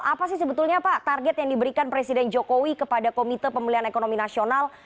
apa sih sebetulnya pak target yang diberikan presiden jokowi kepada komite pemulihan ekonomi nasional